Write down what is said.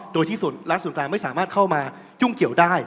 โดยที่รัฐศูนย์กลางไม่สามารถเข้ามายุ่งเกี่ยวได้